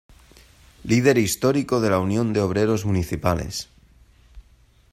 Líder histórico de la Unión de Obreros Municipales.